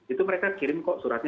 itu mereka kirim kok suratnya